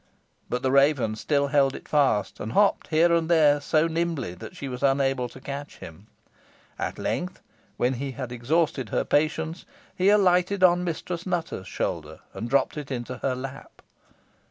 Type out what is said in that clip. But the raven still held it fast, and hopped here and there so nimbly that she was unable to catch him. At length, when he had exhausted her patience, he alighted on Mistress Nutter's shoulder, and dropped it into her lap.